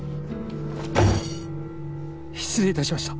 失礼致しました。